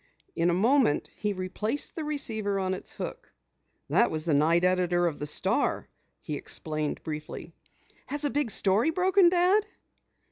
In a moment he replaced the receiver on its hook. "That was the night editor of the Star," he explained briefly. "Has a big story broken, Dad?"